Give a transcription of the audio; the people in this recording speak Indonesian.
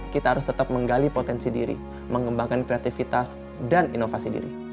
kita harus tetap menggali potensi diri mengembangkan kreativitas dan inovasi diri